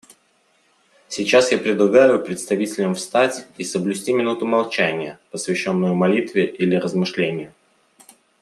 Сейчас я предлагаю представителям встать и соблюсти минуту молчания, посвященную молитве или размышлению.